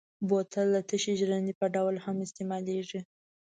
بوتل د تشې ژرندې په ډول هم استعمالېږي.